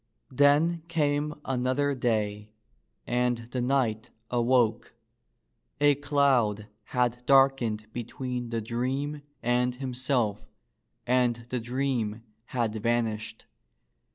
Then came another day, and the knight awoke. A cloud had darkened between the dream and himself and the dream had vanished.